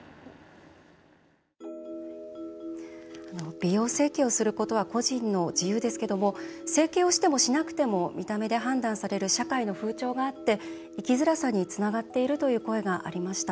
美容整形をすることは個人の自由ですけれども整形をしてもしなくても見た目で判断される社会の風潮があって生きづらさにつながっているという声がありました。